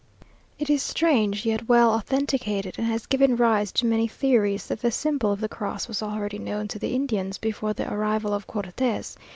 It is strange, yet well authenticated, and has given rise to many theories, that the symbol of the cross was already known to the Indians before the arrival of Cortes.